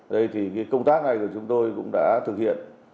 đây thì cái công tác này của chúng tôi cũng đã thực hiện